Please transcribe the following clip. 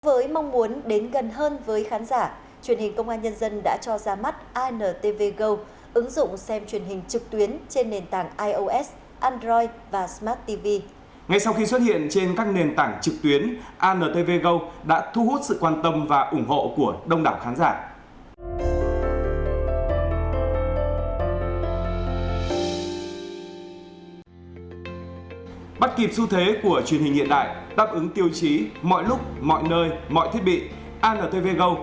với mong muốn đến gần hơn với khán giả truyền hình công an nhân dân đã cho ra mắt antv go